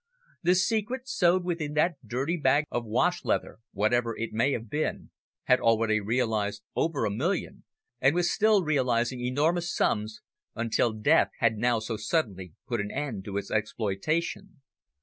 The secret sewed within that dirty bag of wash leather, whatever it may have been, had already realised over a million, and was still realising enormous sums, until death had now so suddenly put an end to its exploitation.